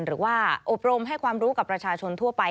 อบรมให้ความรู้กับประชาชนทั่วไป